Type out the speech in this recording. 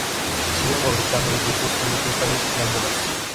Siguieron fabricando billetes, solo que esta vez eran dólares.